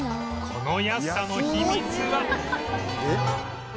この安さの秘密は